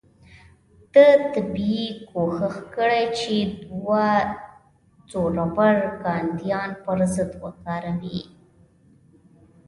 ده طبیعي کوښښ کړی چې دوه زورور ګاونډیان پر ضد وکاروي.